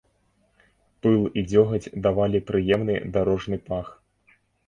Пыл і дзёгаць давалі прыемны дарожны пах.